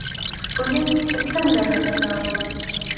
پولیس څنګه نظم راولي؟